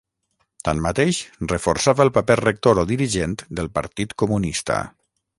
Tanmateix, reforçava el paper rector o dirigent del Partit Comunista.